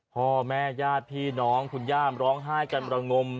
พ่อแม่ญาติพี่น้องคุณย่ามร้องไห้กันระงม